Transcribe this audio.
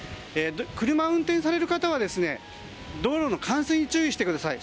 車を運転される方は道路の冠水に注意してください。